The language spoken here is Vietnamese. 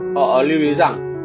họ lưu ý rằng